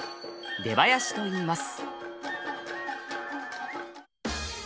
出囃子と言います。